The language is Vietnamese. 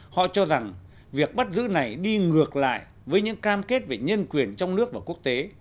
họ cho rằng việc bắt giữ này đi ngược lại với những cam kết về nhân quyền trong nước và quốc tế